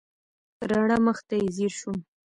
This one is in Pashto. راڼه مخ ته یې ځېر شوم.